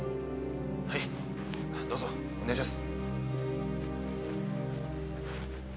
はいどうぞお願いします。